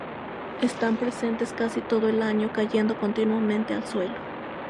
Están presentes casi todo el año, cayendo continuamente al suelo.